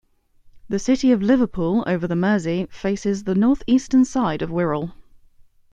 The city of Liverpool over the Mersey, faces the northeastern side of Wirral.